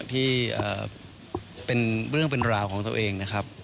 เป็นเรื่องเป็นราวของตัวเองนะครับ